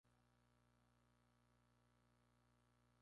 Jugó como delantero, en la máxima categoría del fútbol español y cubano.